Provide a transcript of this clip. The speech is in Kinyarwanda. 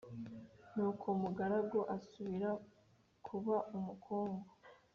nuko mugarura asubira kuba umukungu,